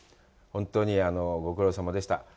本当にご苦労さまでした。